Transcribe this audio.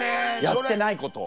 やってないこと。